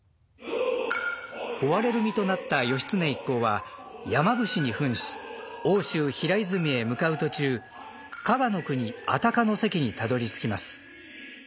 追われる身となった義経一行は山伏に扮し奥州平泉へ向かう途中加賀の国安宅の関にたどりつきます。